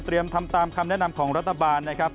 ทำตามคำแนะนำของรัฐบาลนะครับ